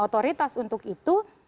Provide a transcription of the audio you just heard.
otoritas untuk itu